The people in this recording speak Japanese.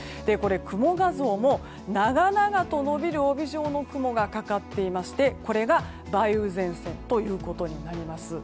雲画像も長々と延びる帯状の雲がかかっていましてこれが梅雨前線ということになります。